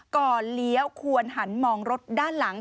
เลี้ยวควรหันมองรถด้านหลัง